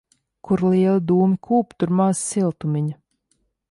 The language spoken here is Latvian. Kur lieli dūmi kūp, tur maz siltumiņa.